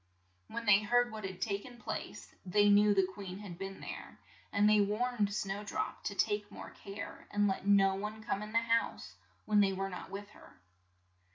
When they heard what had ta ken place, they knew the queen had been there, and they warned Snow drop to take more care, and let no one come in the house when they were not with her.